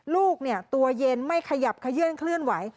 ลูกตัวเย็นไม่ขยับขยื่นเคลื่อนไหว